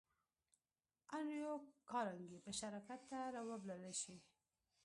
انډریو کارنګي به شراکت ته را وبللای شې